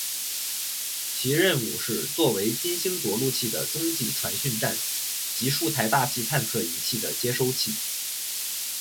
其任务是做为金星着陆器的中继传讯站及数台大气探测仪器的接收器。